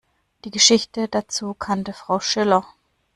Die Geschichte dazu kannte Frau Schiller.